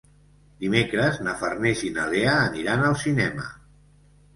Dimecres na Farners i na Lea aniran al cinema.